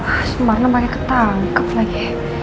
ah sumarno malah ketangkep lagi